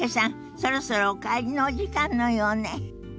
そろそろお帰りのお時間のようね。